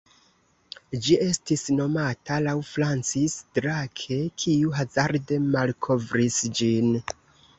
Ĝi estis nomata laŭ Francis Drake, kiu hazarde malkovris ĝin.